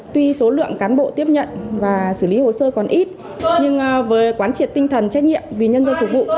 tuy số lượng cán bộ tiếp nhận và xử lý hồ sơ còn ít nhưng với quán triệt tinh thần trách nhiệm vì nhân dân phục vụ